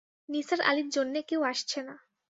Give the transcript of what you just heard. নিসার আলির জন্যে কেউ আসছে না।